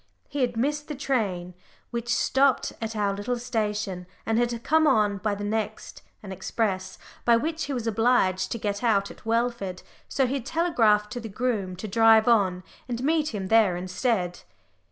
He had missed the train which stopped at our little station, and had come on by the next an express, by which he was obliged to get out at Welford. So he had telegraphed to the groom to drive on, and meet him there instead.